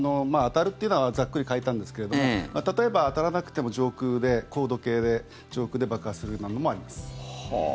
当たるというのはざっくり書いたんですけれども例えば当たらなくても上空で、高度計で爆発するようなものもあります。